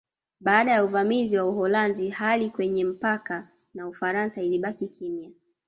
Baada ya uvamizi wa Uholanzi hali kwenye mpaka na Ufaransa ilibaki kimya